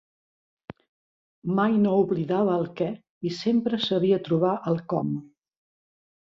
Mai no oblidava el què i sempre sabia trobar el com.